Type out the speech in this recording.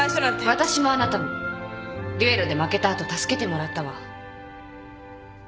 わたしもあなたも決闘で負けた後助けてもらったわ。